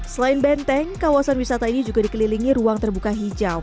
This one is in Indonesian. selain benteng kawasan wisata ini juga dikelilingi ruang terbuka hijau